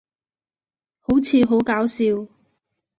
好似好搞笑